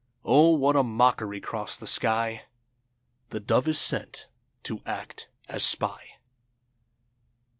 Oh ! What a mockery 'cross the sky The dove is sent to act as spy.